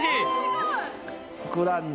ふくらんで。